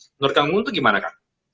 menurut kamu itu gimana